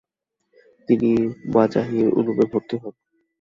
তিনি মাজাহির উলুমে ভর্তি হন।